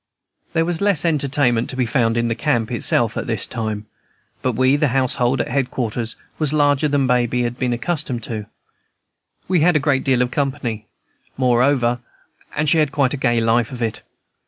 There was less entertainment to be found in the camp itself at this time; but the household at head quarters was larger than Baby had been accustomed to. We had a great deal of company, moreover, and she had quite a gay life of it.